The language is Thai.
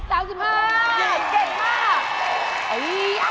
เย็นมาก